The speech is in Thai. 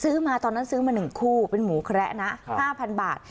ซื้อมาตอนนั้นซื้อมาหนึ่งคู่เป็นหมูแคระนะห้าพันบาท